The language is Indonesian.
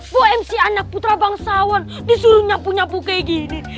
bu mc anak putra bangsawan disuruh nyapu nyapu kayak gini